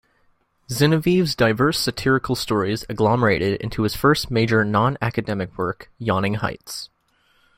Zinoviev's diverse satirical stories agglomerated into his first major non-academic work, "Yawning Heights".